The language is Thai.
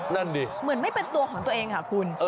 นั่นดิเหมือนไม่เป็นตัวของตัวเองค่ะคุณ